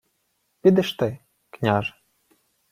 — Підеш ти, княже.